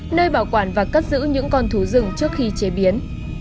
nơi bảo quản và cất giữ những con thú rừng trước khi chế biến